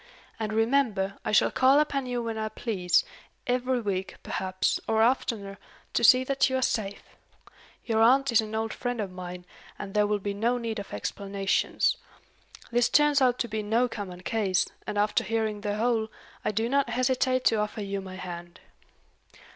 And, remember, I shall call upon you when I please, every week, perhaps, or oftener, to see that you are safe. Your aunt is an old friend of mine, and there will be no need of explanations. This turns out to be no common case, and after hearing the whole, I do not hesitate to offer you my hand."